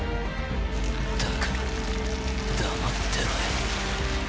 だから黙ってろよ。